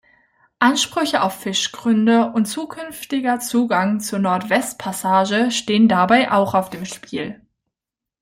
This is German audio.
Ansprüche auf Fischgründe und zukünftiger Zugang zur Nordwestpassage stehen dabei auch auf dem Spiel.